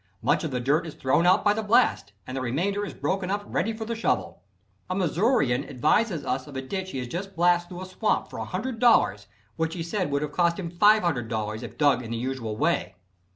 Most of the dirt is thrown out by the blast and the remainder is broken up ready for the shovel. A Missourian advises us of a ditch he has just blasted through a swamp for $100, which he says would have cost him $500 if dug in the usual way.